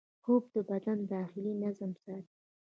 خوب د بدن داخلي نظم ساتي